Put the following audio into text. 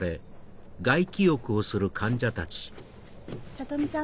里見さん